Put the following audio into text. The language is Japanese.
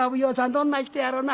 どんな人やろな？」。